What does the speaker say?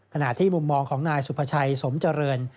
ขณะที่มุมมองของนายสุภาชัยสมเจริญ